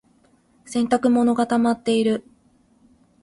洗濯物がたまっている。